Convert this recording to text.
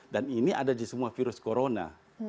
dan ini ada di semua virus corona